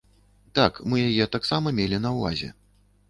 Так, мы яе таксама мелі на ўвазе.